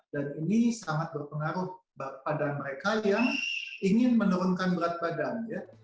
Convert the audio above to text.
dan ini sangat berpengaruh pada mereka yang ingin menurunkan berat badan